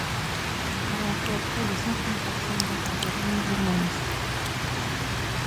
Elle emploie près de cinq mille personnes, dont environ mille journalistes.